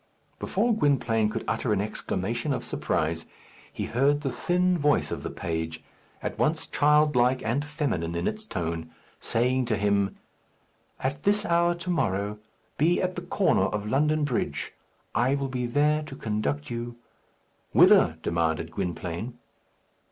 Before Gwynplaine could utter an exclamation of surprise, he heard the thin voice of the page, at once childlike and feminine in its tone, saying to him, "At this hour to morrow, be at the corner of London Bridge. I will be there to conduct you " "Whither?" demanded Gwynplaine.